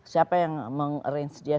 siapa yang meng arrange dia